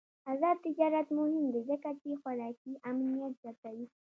آزاد تجارت مهم دی ځکه چې خوراکي امنیت زیاتوي.